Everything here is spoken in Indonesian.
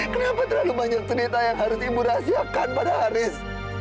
kenapa terlalu banyak cerita yang harus ibu rahasiakan pada haris